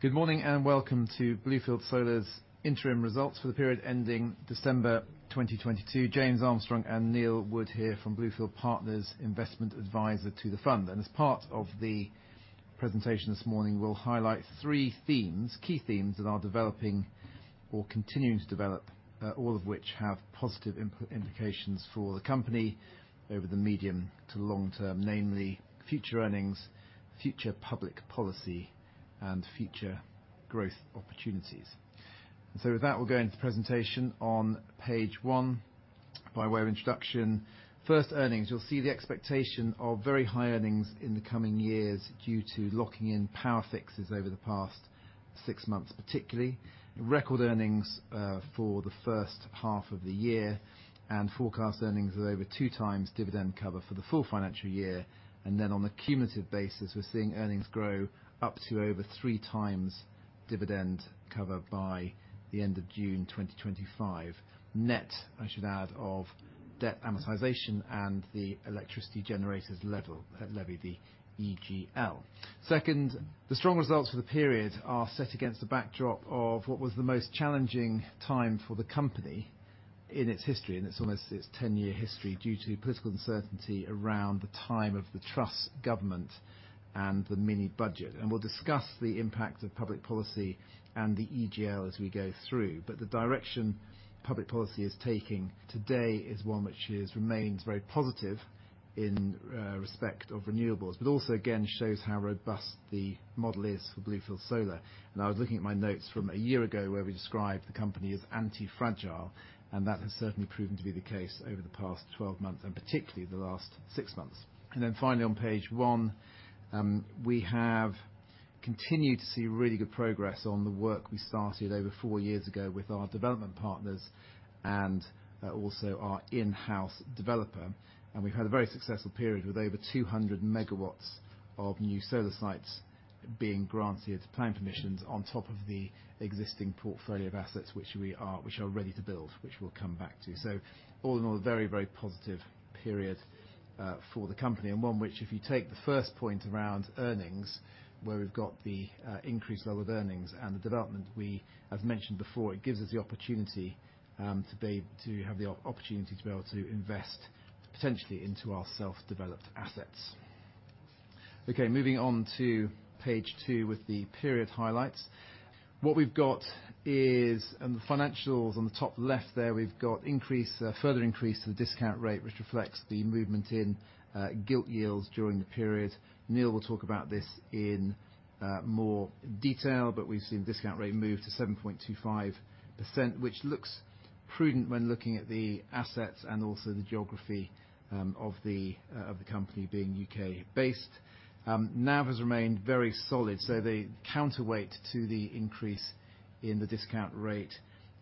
Good morning, welcome to Bluefield Solar's interim results for the period ending December 2022. James Armstrong and Neil Wood here from Bluefield Partners, investment adviser to the fund. As part of the presentation this morning, we'll highlight three themes, key themes that are developing or continuing to develop, all of which have positive input indications for the company over the medium to long term, namely future earnings, future public policy, and future growth opportunities. With that, we'll go into the presentation on page one by way of introduction. First, earnings. You'll see the expectation of very high earnings in the coming years due to locking in power fixes over the past six months, particularly. Record earnings for the first half of the year, and forecast earnings of over 2 times dividend cover for the full financial year. On a cumulative basis, we're seeing earnings grow up to over 3x dividend covered by the end of June 2025. Net, I should add, of debt amortization and the Electricity Generator Levy, the EGL. Second, the strong results for the period are set against the backdrop of what was the most challenging time for the company in its history, in its almost its 10-year history, due to political uncertainty around the time of the Truss government and the mini budget. We'll discuss the impact of public policy and the EGL as we go through. The direction public policy is taking today is one which is remains very positive in respect of renewables, but also again, shows how robust the model is for Bluefield Solar. I was looking at my notes from a year ago where we described the company as anti-fragile, and that has certainly proven to be the case over the past 12 months, and particularly the last six months. Finally on page one, we have continued to see really good progress on the work we started over four years ago with our development partners and also our in-house developer. We've had a very successful period with over 200 megawatts of new solar sites being granted planning permissions on top of the existing portfolio of assets which are ready to build, which we'll come back to. All in all, a very, very positive period for the company, and one which if you take the first point around earnings, where we've got the increased level of earnings and the development, we as mentioned before, it gives us the opportunity to have the opportunity to be able to invest potentially into our self-developed assets. Okay, moving on to page two with the period highlights. What we've got is, and the financials on the top left there, we've got increase, further increase to the discount rate, which reflects the movement in gilt yields during the period. Neil will talk about this in more detail, but we've seen discount rate move to 7.25%, which looks prudent when looking at the assets and also the geography of the company being U.K.-base. NAV has remained very solid. The counterweight to the increase in the discount rate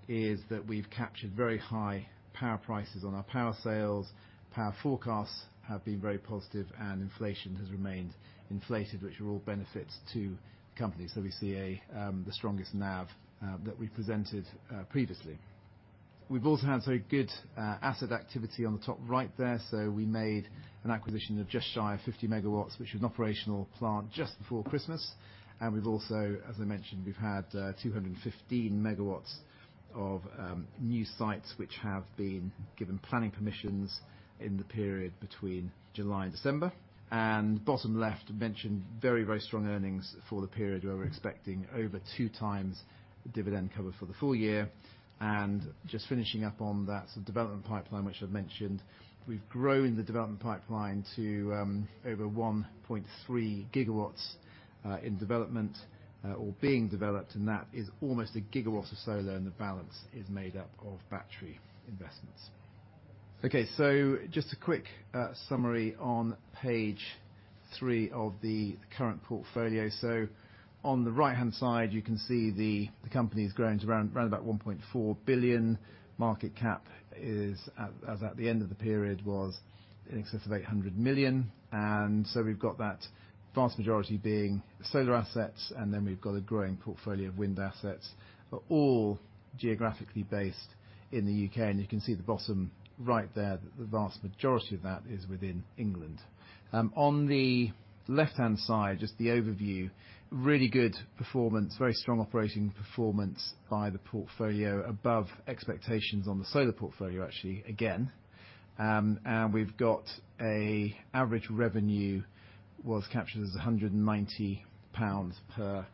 is that we've captured very high power prices on our power sales. Power forecasts have been very positive and inflation has remained inflated, which are all benefits to the company. We see the strongest NAV that we presented previously. We've also had good asset activity on the top right there. We made an acquisition of just shy of 50 MW, which was an operational plant just before Christmas. We've also, as I mentioned, we've had 215 MW of new sites which have been given planning permissions in the period between July and December. Bottom left, mentioned very, very strong earnings for the period where we're expecting over 2 times dividend cover for the full year. Just finishing up on that, so development pipeline, which I've mentioned, we've grown the development pipeline to over 1.3 GW in development or being developed, and that is almost 1 GW of solar and the balance is made up of battery investments. Just a quick summary on page three of the current portfolio. On the right-hand side, you can see the company's grown to around about 1.4 billion. Market cap is as at the end of the period was in excess of 800 million. We've got that vast majority being solar assets, and then we've got a growing portfolio of wind assets. All geographically based in the U.K., and you can see at the bottom right there that the vast majority of that is within England. On the left-hand side, just the overview, really good performance, very strong operating performance by the portfolio, above expectations on the solar portfolio, actually, again. We've got a average revenue was captured as 190 pounds per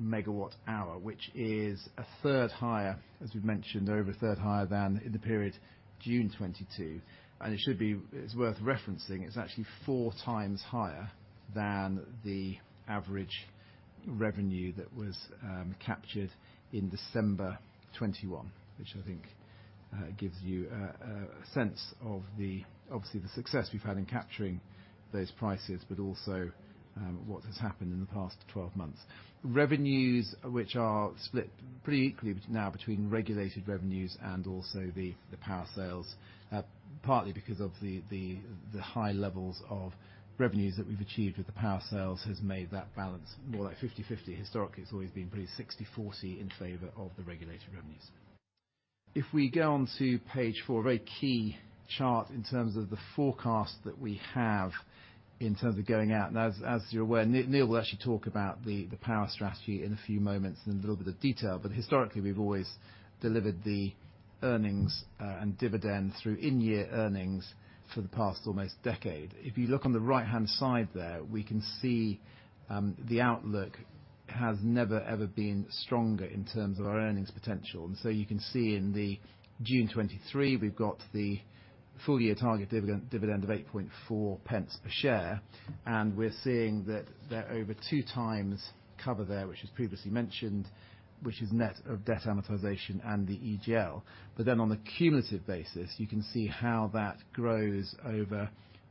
megawatt hour, which is a third higher, as we've mentioned, over a third higher than in the period June 2022. It's worth referencing, it's actually 4X higher than the average revenue that was captured in December 2021, which I think gives you a sense of the obviously the success we've had in capturing those prices, but also what has happened in the past 12 months. Revenues, which are split pretty equally now between regulated revenues and also the power sales, partly because of the high levels of revenues that we've achieved with the power sales has made that balance more like 50/50. Historically, it's always been pretty 60/40 in favor of the regulated revenues. If we go on to page four, a very key chart in terms of the forecast that we have in terms of going out. As you're aware, Neil will actually talk about the power strategy in a few moments in a little bit of detail. Historically, we've always delivered the earnings and dividend through in-year earnings for the past almost decade. If you look on the right-hand side there, we can see, the outlook has never, ever been stronger in terms of our earnings potential. You can see in the June 2023, we've got the full-year target dividend of 0.084 per share, and we're seeing that there are over two times cover there, which was previously mentioned, which is net of debt amortization and the EGL. On the cumulative basis, you can see how that grows over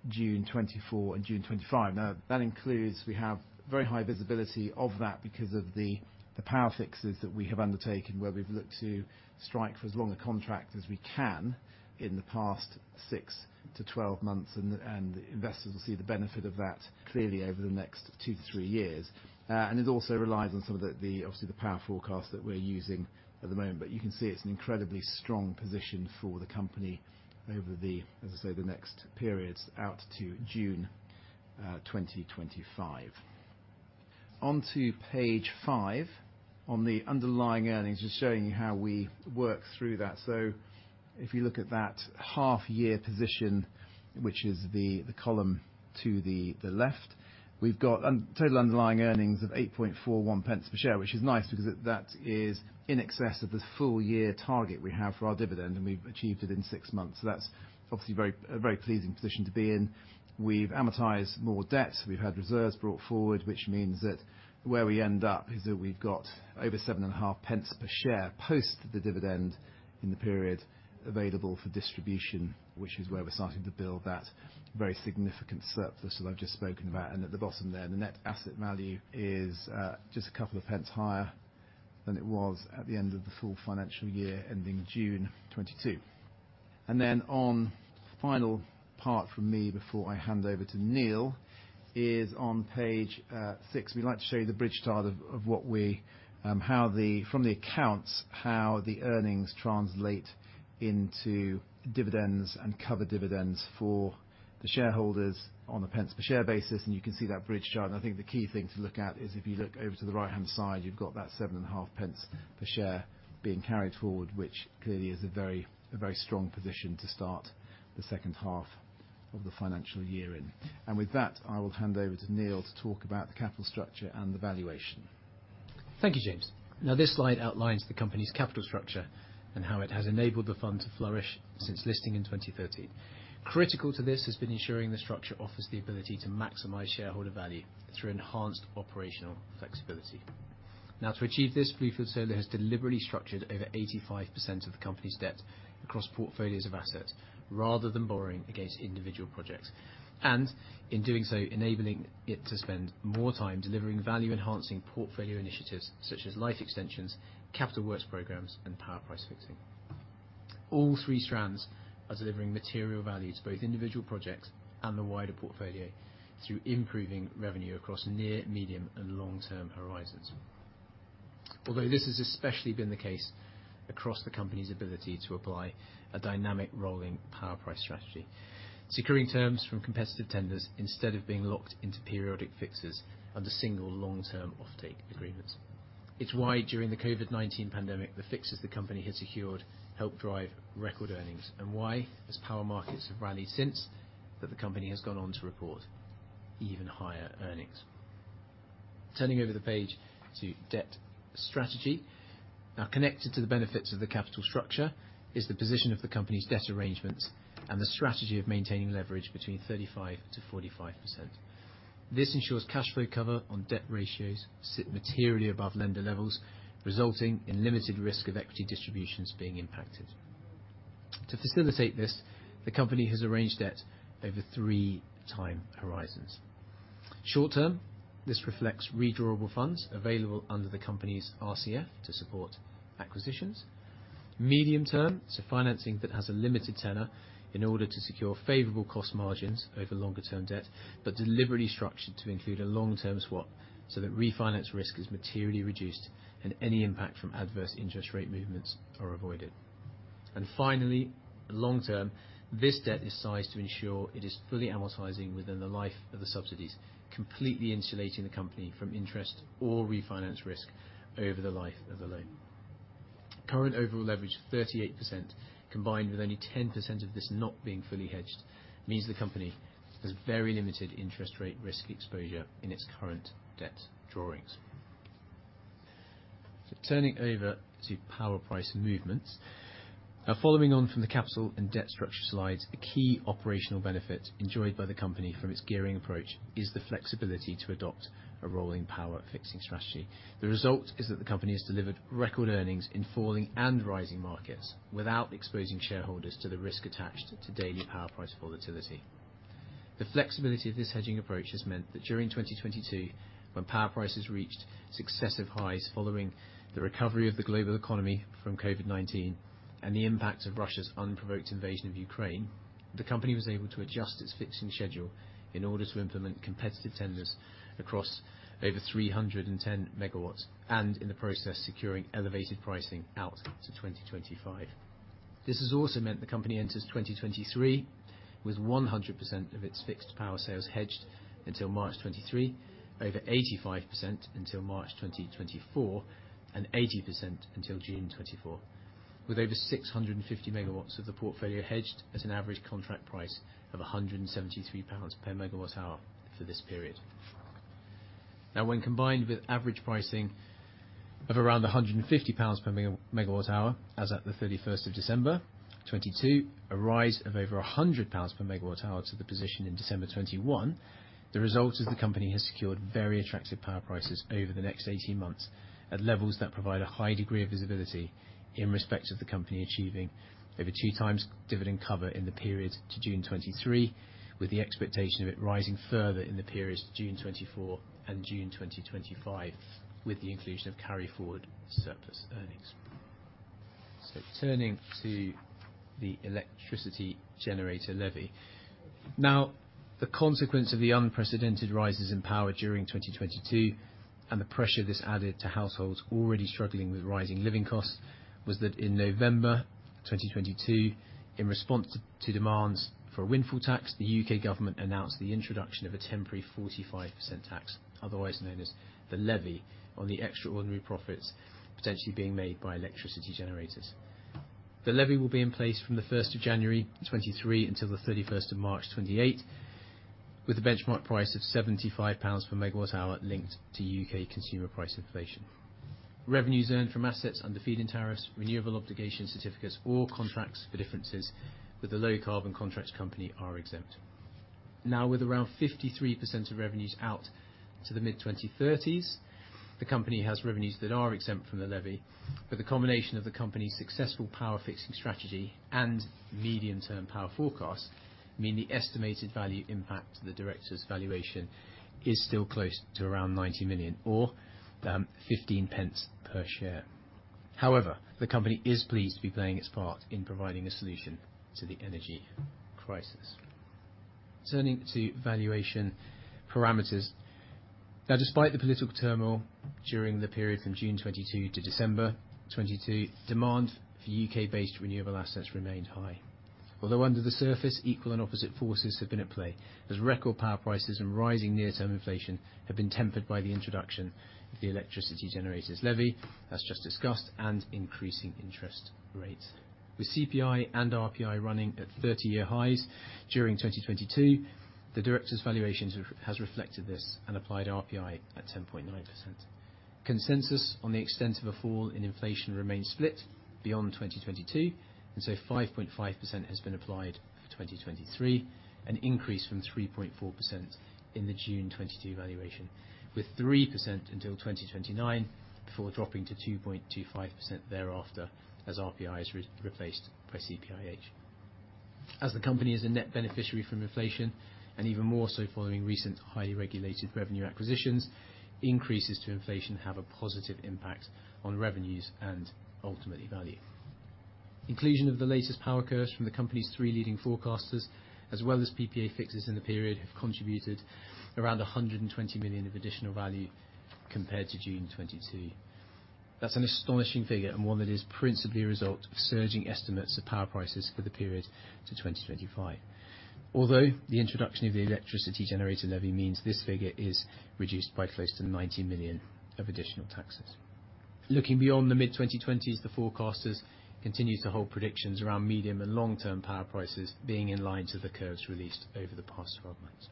June 2024 and June 2025. That includes, we have very high visibility of that because of the power fixes that we have undertaken where we've looked to strike for as long a contract as we can in the past six to 12 months, and investors will see the benefit of that clearly over the next two to three years. And it also relies on some of the obviously the power forecast that we're using at the moment. You can see it's an incredibly strong position for the company over the, as I say, the next periods out to June, 2025. On to page five. On the underlying earnings, just showing you how we work through that. If you look at that half-year position, which is the column to the left, we've got total underlying earnings of 0.0841 per share, which is nice because that is in excess of the full-year target we have for our dividend, and we've achieved it in six months. That's obviously very, a very pleasing position to be in. We've amortized more debt. We've had reserves brought forward, which means that where we end up is that we've got over 7.5 pence per share post the dividend in the period available for distribution, which is where we're starting to build that very significant surplus that I've just spoken about. At the bottom there, the net asset value is just a couple of pence higher than it was at the end of the full financial year ending June 2022. Then on final part from me before I hand over to Neil is on page six. We'd like to show you the bridge chart of what we how the from the accounts, how the earnings translate into dividends and cover dividends for the shareholders on a pence per share basis. You can see that bridge chart. I think the key thing to look at is if you look over to the right-hand side, you've got that seven and a half pence per share being carried forward, which clearly is a very strong position to start the second half of the financial year in. With that, I will hand over to Neil to talk about the capital structure and the valuation. Thank you, James. This slide outlines the company's capital structure and how it has enabled the fund to flourish since listing in 2013. Critical to this has been ensuring the structure offers the ability to maximize shareholder value through enhanced operational flexibility. To achieve this, Bluefield Solar has deliberately structured over 85% of the company's debt across portfolios of assets rather than borrowing against individual projects. In doing so, enabling it to spend more time delivering value-enhancing portfolio initiatives such as life extensions, capital works programs, and power price fixing. All three strands are delivering material value to both individual projects and the wider portfolio through improving revenue across near, medium, and long-term horizons. Although this has especially been the case across the company's ability to apply a dynamic rolling power price strategy, securing terms from competitive tenders instead of being locked into periodic fixes under single long-term offtake agreements. It's why during the COVID-19 pandemic, the fixes the company had secured helped drive record earnings, and why, as power markets have rallied since, that the company has gone on to report even higher earnings. Turning over the page to debt strategy. Now, connected to the benefits of the capital structure is the position of the company's debt arrangements and the strategy of maintaining leverage between 35%-45%. This ensures cash flow cover on debt ratios sit materially above lender levels, resulting in limited risk of equity distributions being impacted. To facilitate this, the company has arranged debt over three time horizons. Short term, this reflects redrawable funds available under the company's RCF to support acquisitions. Medium term, financing that has a limited tenor in order to secure favorable cost margins over longer-term debt, but deliberately structured to include a long-term swap so that refinance risk is materially reduced and any impact from adverse interest rate movements are avoided. Finally, long term, this debt is sized to ensure it is fully amortizing within the life of the subsidies, completely insulating the company from interest or refinance risk over the life of the loan. Current overall leverage, 38%, combined with only 10% of this not being fully hedged, means the company has very limited interest rate risk exposure in its current debt drawings. Turning over to power price movements. Following on from the capital and debt structure slides, a key operational benefit enjoyed by the company from its gearing approach is the flexibility to adopt a rolling power fixing strategy. The result is that the company has delivered record earnings in falling and rising markets without exposing shareholders to the risk attached to daily power price volatility. The flexibility of this hedging approach has meant that during 2022, when power prices reached successive highs following the recovery of the global economy from COVID-19 and the impact of Russia's unprovoked invasion of Ukraine, the company was able to adjust its fixing schedule in order to implement competitive tenders across over 310 MW, and in the process, securing elevated pricing out to 2025. This has also meant the company enters 2023 with 100% of its fixed power sales hedged until March 2023, over 85% until March 2024, and 80% until June 2024. With over 650 MW of the portfolio hedged at an average contract price of 173 pounds MWh for this period. Now, when combined with average pricing of around 150 pounds per megawatt hour, as at December 31st, 2022, a rise of over 100 pounds per megawatt hour to the position in December 2021. The result is the company has secured very attractive power prices over the next 18 months at levels that provide a high degree of visibility in respect of the company achieving over 2x dividend cover in the period to June 2023, with the expectation of it rising further in the period June 2024 and June 2025, with the inclusion of carry forward surplus earnings. Turning to the Electricity Generator Levy. The consequence of the unprecedented rises in power during 2022 and the pressure this added to households already struggling with rising living costs was that in November 2022, in response to demands for a windfall tax, the U.K. government announced the introduction of a temporary 45% tax, otherwise known as the Levy, on the extraordinary profits potentially being made by electricity generators. The Levy will be in place from 1st January 2023 until 31st March 2028, with a benchmark price of 75 pounds per MWh linked to U.K. consumer price inflation. Revenues earned from assets under feed-in tariffs, Renewable Obligation Certificates or Contracts for Difference with the Low Carbon Contracts Company are exempt. With around 53% of revenues out to the mid-2030s, the company has revenues that are exempt from the Levy, the combination of the company's successful power fixing strategy and medium-term power forecasts mean the estimated value impact to the director's valuation is still close to around 90 million or 0.15 per share. The company is pleased to be playing its part in providing a solution to the energy crisis. Turning to valuation parameters. Despite the political turmoil during the period from June 2022 to December 2022, demand for U.K.-based renewable assets remained high. Under the surface, equal and opposite forces have been at play as record power prices and rising near-term inflation have been tempered by the introduction of the Electricity Generator Levy, as just discussed, and increasing interest rates. With CPI and RPI running at 30-year highs during 2022, the directors valuations has reflected this and applied RPI at 10.9%. Consensus on the extent of a fall in inflation remains split beyond 2022, 5.5% has been applied for 2023, an increase from 3.4% in the June 2022 valuation, with 3% until 2029 before dropping to 2.25% thereafter as RPI is re-replaced by CPIH. As the company is a net beneficiary from inflation and even more so following recent highly regulated revenue acquisitions, increases to inflation have a positive impact on revenues and ultimately value. Inclusion of the latest power curves from the company's three leading forecasters, as well as PPA fixes in the period, have contributed around 120 million of additional value compared to June 2022. That's an astonishing figure and one that is principally a result of surging estimates of power prices for the period to 2025. Although the introduction of the Electricity Generator Levy means this figure is reduced by close to 90 million of additional taxes. Looking beyond the mid-2020s, the forecasters continue to hold predictions around medium and long-term power prices being in line to the curves released over the past 12 months.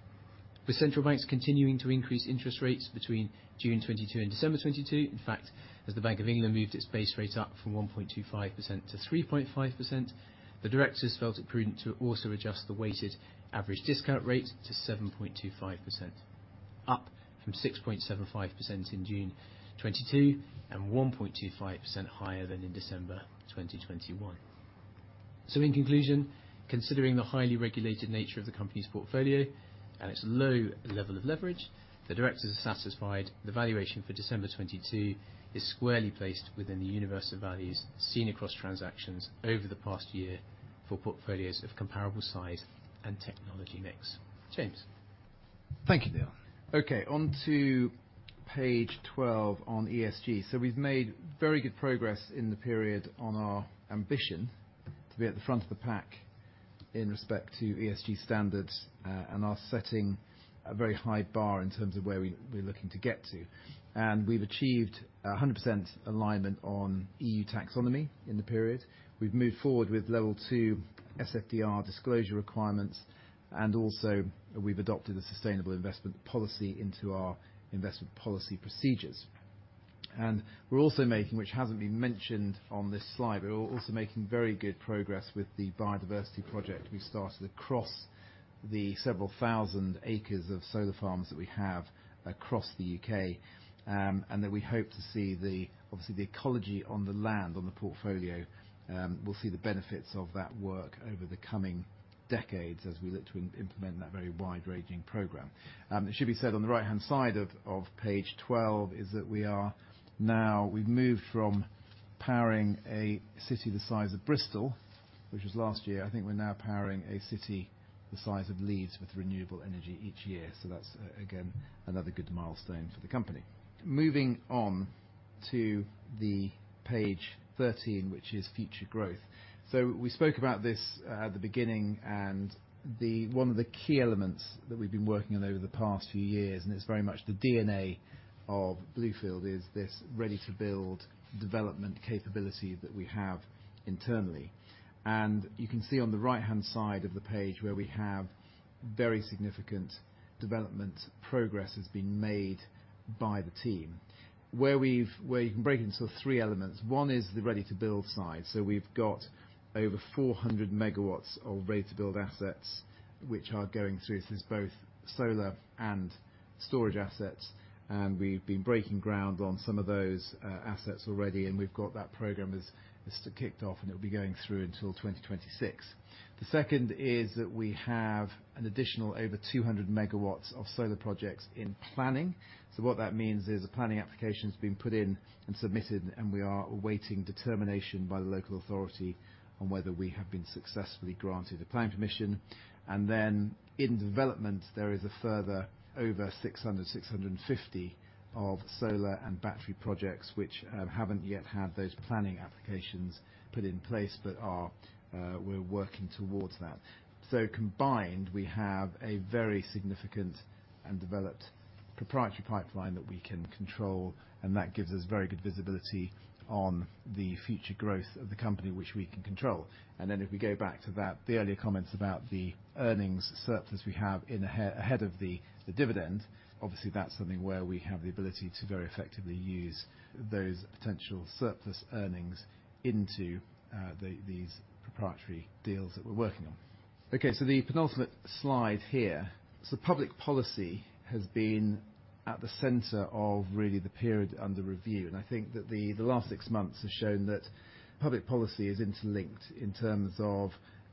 With central banks continuing to increase interest rates between June 2022 and December 2022, in fact, as the Bank of England moved its base rate up from 1.25% to 3.5%, the directors felt it prudent to also adjust the weighted average discount rate to 7.25%, up from 6.75% in June 2022, and 1.25% higher than in December 2021. In conclusion, considering the highly regulated nature of the company's portfolio and its low level of leverage, the directors are satisfied the valuation for December 2022 is squarely placed within the universe of values seen across transactions over the past year for portfolios of comparable size and technology mix. James. Thank you, Neil. On to page 12 on ESG. We've made very good progress in the period on our ambition to be at the front of the pack in respect to ESG standards and are setting a very high bar in terms of where we're looking to get to. We've achieved 100% alignment on EU Taxonomy in the period. We've moved forward with level two SFDR disclosure requirements, also we've adopted a sustainable investment policy into our investment policy procedures. We're also making, which hasn't been mentioned on this slide, but we're also making very good progress with the biodiversity project we started across the several 1,000 acres of solar farms that we have across the U.K.. That we hope to see the, obviously the ecology on the land, on the portfolio, will see the benefits of that work over the coming decades as we look to implement that very wide-ranging program. It should be said on the right-hand side of page 12 is that we are now we've moved from powering a city the size of Bristol, which was last year. I think we're now powering a city the size of Leeds with renewable energy each year. That's, again, another good milestone for the company. Moving on to page 13, which is future growth. We spoke about this, at the beginning, and the one of the key elements that we've been working on over the past few years, and it's very much the DNA of Bluefield, is this ready-to-build development capability that we have internally You can see on the right-hand side of the page where we have very significant development progress has been made by the team. Where you can break into sort of three elements. One is the ready-to-build side. We've got over 400 MW of ready-to-build assets which are going through. This is both solar and storage assets, and we've been breaking ground on some of those assets already, and we've got that program kicked off, and it'll be going through until 2026. The second is that we have an additional over 200 MW of solar projects in planning. What that means is a planning application's been put in and submitted, and we are awaiting determination by the local authority on whether we have been successfully granted the planning permission. In development, there is a further over 600, 650 of solar and battery projects which haven't yet had those planning applications put in place but are we're working towards that. Combined, we have a very significant and developed proprietary pipeline that we can control, and that gives us very good visibility on the future growth of the company which we can control. If we go back to that, the earlier comments about the earnings surplus we have in ahead of the dividend, obviously that's something where we have the ability to very effectively use those potential surplus earnings into these proprietary deals that we're working on. Okay, the penultimate slide here. Public policy has been at the center of really the period under review. I think that the last six months has shown that public policy is interlinked in terms of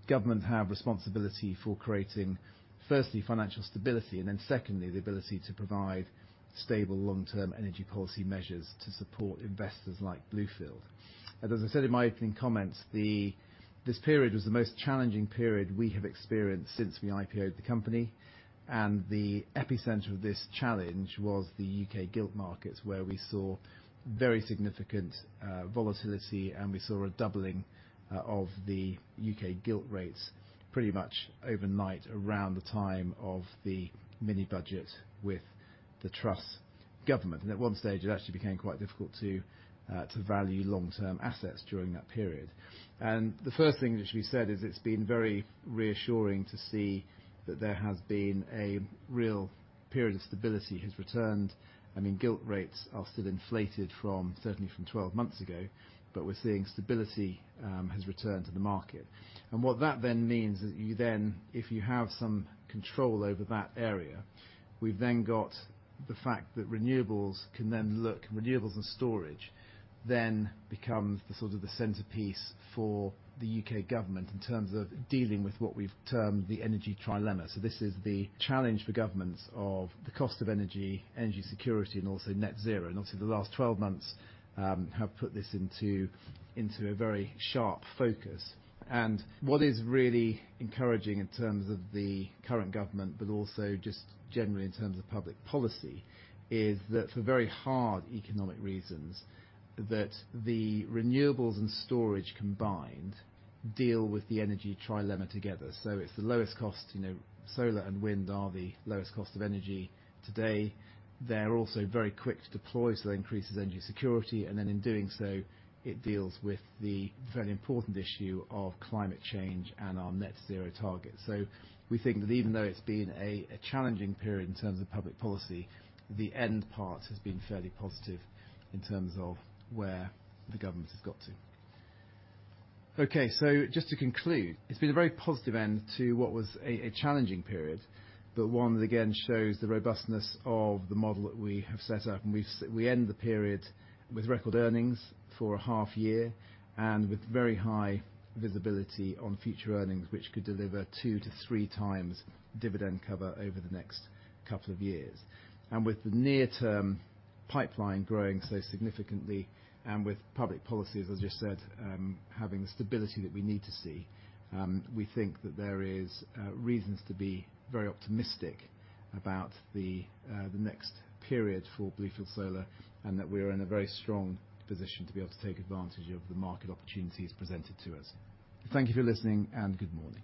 government have responsibility for creating, firstly, financial stability, and then secondly, the ability to provide stable long-term energy policy measures to support investors like Bluefield. As I said in my opening comments, this period was the most challenging period we have experienced since we IPO'd the company. The epicenter of this challenge was the U.K. gilt markets, where we saw very significant volatility, and we saw a doubling of the U.K. gilt rates pretty much overnight around the time of the mini budget with the Truss government. At one stage, it actually became quite difficult to value long-term assets during that period. The first thing that should be said is it's been very reassuring to see that there has been a real period of stability has returned. I mean, gilt rates are still inflated from certainly from 12 months ago, but we're seeing stability has returned to the market. What that then means is you then, if you have some control over that area, we've then got the fact that renewables can then renewables and storage then becomes the sort of the centerpiece for the U.K. government in terms of dealing with what we've termed the energy trilemma. So this is the challenge for governments of the cost of energy security, and also net zero. Obviously the last 12 months have put this into a very sharp focus. What is really encouraging in terms of the current government, but also just generally in terms of public policy, is that for very hard economic reasons, that the renewables and storage combined deal with the energy trilemma together. It's the lowest cost, you know, solar and wind are the lowest cost of energy today. They're also very quick to deploy, so it increases energy security. In doing so, it deals with the very important issue of climate change and our net zero target. We think that even though it's been a challenging period in terms of public policy, the end part has been fairly positive in terms of where the government has got to. Just to conclude. It's been a very positive end to what was a challenging period, but one that again shows the robustness of the model that we have set up. We end the period with record earnings for a half year and with very high visibility on future earnings, which could deliver 2-3x dividend cover over the next couple of years. With the near-term pipeline growing so significantly and with public policy, as I just said, having the stability that we need to see, we think that there is reasons to be very optimistic about the next period for Bluefield Solar and that we're in a very strong position to be able to take advantage of the market opportunities presented to us. Thank you for listening, and good morning.